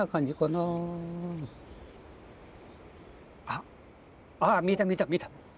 あっああ見えた見えた見えた。